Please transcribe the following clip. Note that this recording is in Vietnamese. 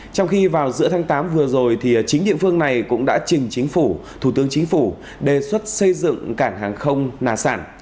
trong khi vào giữa tháng tám vừa rồi chính địa phương này cũng đã trình chính phủ thủ tướng chính phủ đề xuất xây dựng cảng hàng không nà sản